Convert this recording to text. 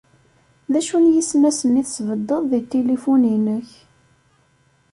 D acu n yisnasen i tesbedded di tilifun-inek?